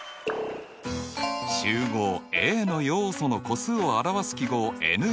集合Ａの要素の個数を表す記号